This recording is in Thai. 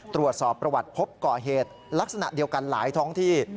ตรวจสอบประวัติพบก่อเหตุลักษณะเดียวกันหลายท้องที่